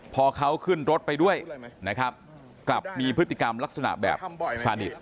พอเขาขึ้นรถไปด้วยนะครับกลับมีพฤติกรรมลักษณะแบบสนิท